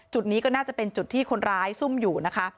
จุดนี้ก็น่าจะเป็นจุดที่คนร้ายซุ่มอยู่นะคะ